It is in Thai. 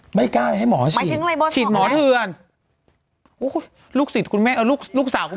ฮะไม่กล้าเลยให้หมอฉีดฉีดหมอเทือนโอ้โหลูกสาวคุณแม่ฉีดกันเต็ม